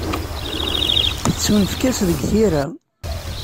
Tettunefk-as deg tira.